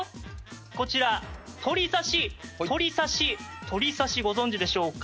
こちら鳥刺し鳥刺し鳥刺しご存じでしょうか？